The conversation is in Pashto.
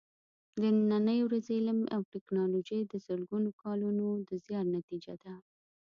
د نننۍ ورځې علم او ټېکنالوجي د سلګونو کالونو د زیار نتیجه ده.